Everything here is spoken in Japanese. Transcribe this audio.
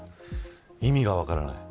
意味が分からない。